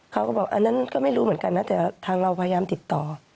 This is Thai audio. เขาก็บอกอันนั้นก็ไม่รู้เหมือนกันนะแต่ทางเราพยายามติดต่อ